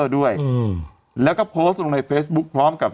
ด้วยอืมแล้วก็โพสต์ลงในเฟซบุ๊คพร้อมกับ